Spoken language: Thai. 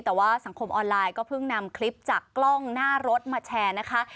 แต่ว่าสังคมออนไลน์ก็เพิ่งนำคลิปจากกล้องหน้ารถมาแชร์นะคะ